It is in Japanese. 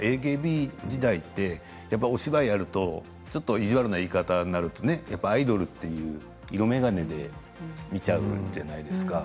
ＡＫＢ時代ってやっぱりお芝居をやるとちょっと意地悪な言い方になるとアイドルという色眼鏡で見ちゃうじゃないですか。